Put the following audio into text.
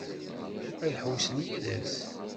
Ad ḥewwsen yid-s?